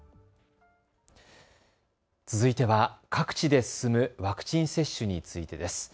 続いては各地で進むワクチン接種についてです。